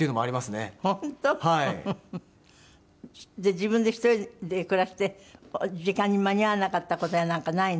自分で１人で暮らして時間に間に合わなかった事やなんかないの？